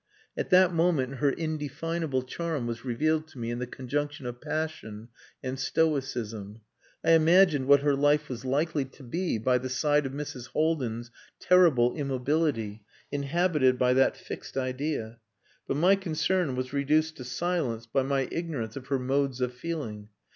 At that moment her indefinable charm was revealed to me in the conjunction of passion and stoicism. I imagined what her life was likely to be by the side of Mrs. Haldin's terrible immobility, inhabited by that fixed idea. But my concern was reduced to silence by my ignorance of her modes of feeling.